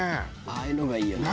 ああいうのがいいよね。